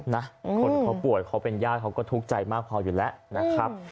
คนเขาป่วยเขาเป็นญาติเขาก็ทุกข์ใจมากพออยู่แล้วนะครับ